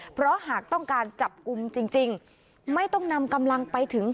เพราะหากต้องการจับกุมจริง